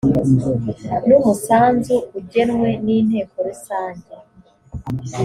n umusanzu ugenwe n inteko rusange